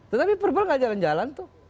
tetapi perbal nggak jalan jalan tuh